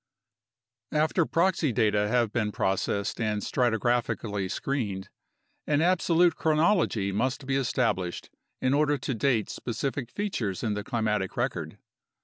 After proxy data have been processed and stratigraphically screened, an absolute chronology must be established in order to date specific features in the climatic record.